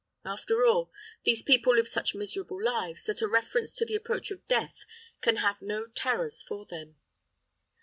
After all, these people live such miserable lives, that a reference to the approach of death can have no terrors for them.